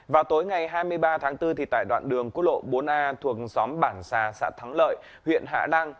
vào tối ngày hai mươi ba tháng bốn tại đoạn đường quốc lộ bốn a thuộc xóm bản xà xã thắng lợi huyện hạ lan